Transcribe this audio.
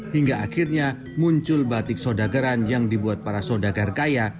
hingga akhirnya muncul batik sodagaran yang dibuat para sodagar kaya